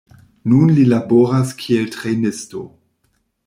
Nun li laboras kiel trejnisto.